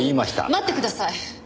待ってください！